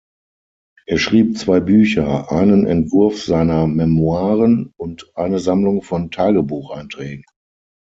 Er schrieb zwei Bücher, einen Entwurf seiner Memoiren und eine Sammlung von Tagebucheinträgen.